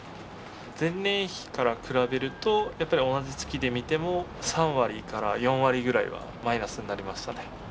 前年比から比べるとやっぱり同じ月で見ても３割から４割ぐらいはマイナスになりましたね。